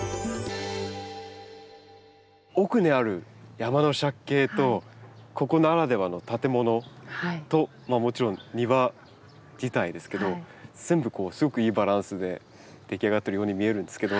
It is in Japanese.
奥にある山の借景とここならではの建物ともちろん庭自体ですけど全部すごくいいバランスで出来上がってるように見えるんですけど。